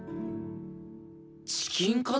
チキンカツ！？